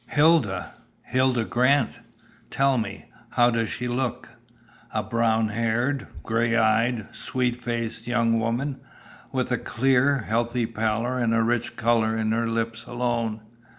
"Hilda! Hilda Grant! Tell me, how does she look?" "A brown haired, grey eyed, sweet faced young woman, with a clear, healthy pallor and a rich colour in her lips alone.